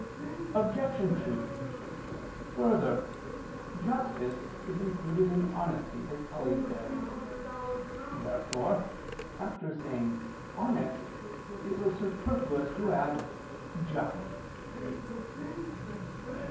Obj. 2: Further, Justice is included in honesty, as Tully says (De Offic. vii). Therefore after saying "honest" it was superfluous to add "just."